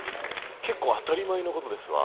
結構当たり前の事ですわ。